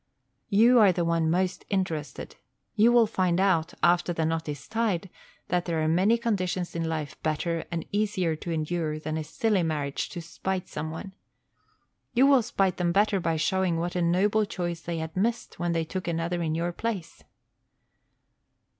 You are the one most interested. You will find out, after the knot is tied, that there are many conditions in life better and easier to be endured than a silly marriage to spite some one. You will spite them better by showing what a noble choice they had missed when they took another in your place.